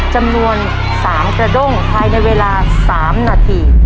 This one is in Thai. จำนวน๓กระด้งภายในเวลา๓นาที